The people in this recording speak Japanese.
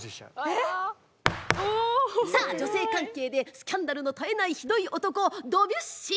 さあ女性関係でスキャンダルの絶えないひどい男ドビュッシー。